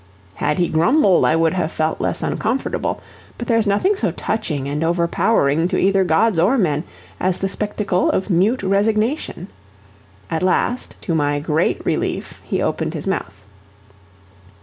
Had he grumbled, I would have felt less uncomfortable; but there's nothing so touching and overpowering to either gods or men as the spectacle of mute resignation. At last, to my great relief, he opened his mouth.